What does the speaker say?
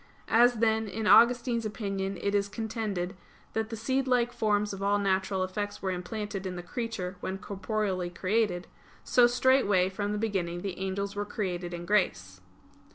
As, then, in Augustine's opinion it is contended that the seedlike forms of all natural effects were implanted in the creature when corporeally created, so straightway from the beginning the angels were created in grace.